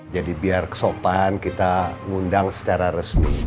jadi biar kesopan kita ngundang secara resmi